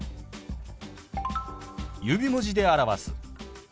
指文字で表す。